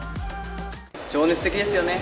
情熱的ですよね。